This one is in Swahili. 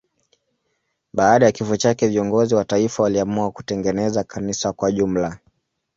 Baada ya kifo chake viongozi wa taifa waliamua kutengeneza kanisa kwa jumla.